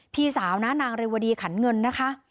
พี่สาวนะนางเรวดีขันเงินนะคะ